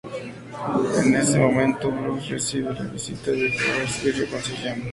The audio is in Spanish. En ese momento, Bruce recibe la visita de Grace y se reconcilian.